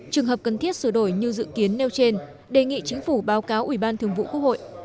trường hợp cần thiết sửa đổi như dự kiến nêu trên đề nghị chính phủ báo cáo ủy ban thường vụ quốc hội